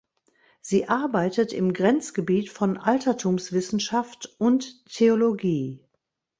Sie arbeitet im Grenzgebiet von Altertumswissenschaft und Theologie.